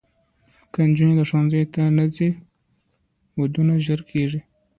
که نجونې ښوونځي ته نه ځي، ودونه ژر کېږي.